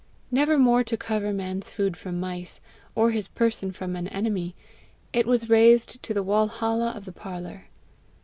Never more to cover man's food from mice, or his person from an enemy, it was raised to the WALHALLA of the parlour.